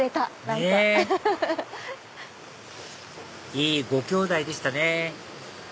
ねぇいいご兄弟でしたね